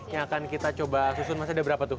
yang akan kita coba susun masih ada berapa tuh